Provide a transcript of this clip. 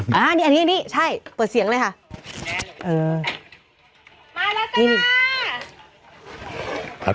พ่อน้ำไม่ได้เอารถเปลี่ยนมา